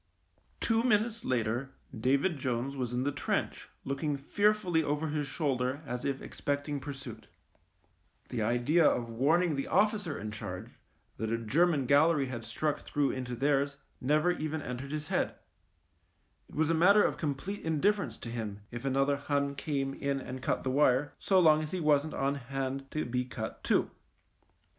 Two minutes later David Jones was in the trench looking fearfully over his shoulder as if expecting pursuit. The idea of warning the officer in charge that a German gallery had struck through into theirs never even entered his head It was a matter of com 104 THE MINE plete indifference to him if another Hun came in and cut the wire, so long as he wasn't on hand to be cut too.